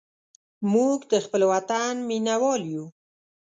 موږ د خپل وطن مینهوال یو.